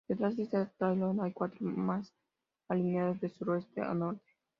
Detrás de este talayot, hay cuatro más, alineados de suroeste a nordeste.